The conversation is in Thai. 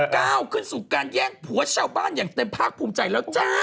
ก้าวขึ้นสู่การแย่งผัวชาวบ้านอย่างเต็มภาคภูมิใจแล้วจ้า